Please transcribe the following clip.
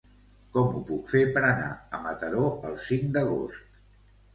Com ho puc fer per anar a Mataró el cinc d'agost?